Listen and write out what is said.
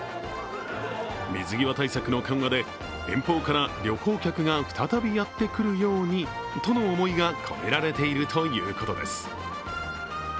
水際対策の緩和で遠方から旅行客が再びやってくるようにとの思いが込められているということです。